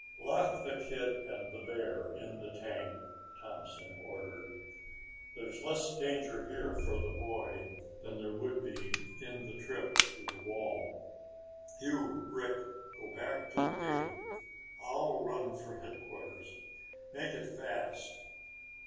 "Lock the kid and bear in the tank," Thompson ordered. "There's less danger here for the boy than there would be in the trip to the wall. You, Rick, go back to the gate. I'll run for headquarters. Make it fast!"